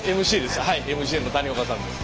はいＭＣの谷岡さんです。